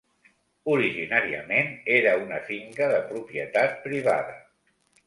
Originàriament era una finca de propietat privada.